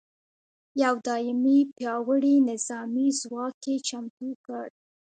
یو دایمي پیاوړي نظامي ځواک یې چمتو کړ.